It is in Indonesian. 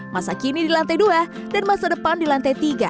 masa kini di lantai dua dan masa depan di lantai tiga